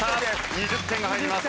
２０点入ります。